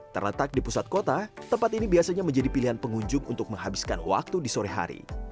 terletak di pusat kota tempat ini biasanya menjadi pilihan pengunjung untuk menghabiskan waktu di sore hari